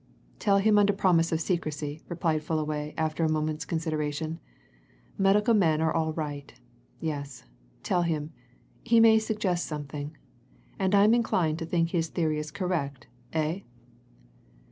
"Tell him under promise of secrecy," replied Fullaway after a moment's consideration. "Medical men are all right yes, tell him. He may suggest something. And I'm inclined to think his theory is correct, eh?"